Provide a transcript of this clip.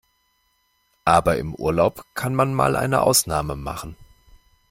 Aber im Urlaub kann man mal eine Ausnahme machen.